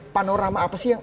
panorama apa sih